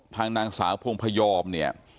ทางนางสาวพงพยอมเนี่ย